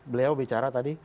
beliau bicara tadi